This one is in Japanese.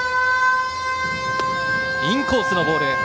インコースのボール。